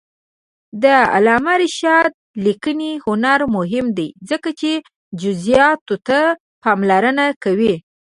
د علامه رشاد لیکنی هنر مهم دی ځکه چې جزئیاتو ته پاملرنه کوي.